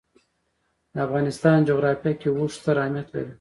د افغانستان جغرافیه کې اوښ ستر اهمیت لري.